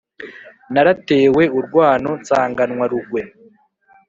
naratewe urwano nsanganwa rugwe.